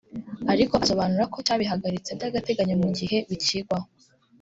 ariko asobanura ko cyabihagaritse by’agateganyo mu gihe bikigwaho